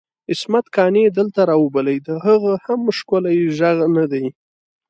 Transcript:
عصمت قانع دلته راوبلئ د هغه هم ښکلی ږغ ندی؟!